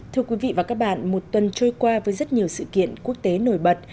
thưa quý vị và các bạn một tuần trôi qua với rất nhiều sự kiện quốc tế nổi bật